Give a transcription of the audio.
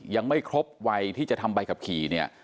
ยังไม่ครบวัยที่จะทำใบขับขี่เนี่ย